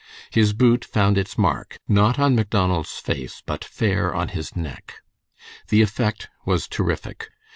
His boot found its mark, not on Macdonald's face, but fair on his neck. The effect was terrific.